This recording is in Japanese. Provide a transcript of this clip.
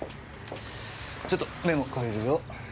ちょっとメモ借りるよ。